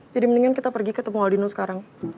jadi mendingan kita pergi ke tempat aldino sekarang